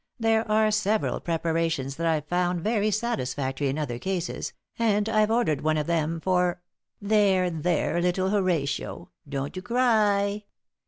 There are several preparations that I've found very satisfactory in other cases, and I've ordered one of them for there, there, 'ittle Horatio! Don't 'oo cry!